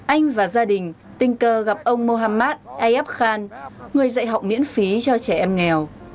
anh và gia đình tình cờ gặp ông mohammad ayyab khan người dạy học miễn phí cho trẻ em nghèo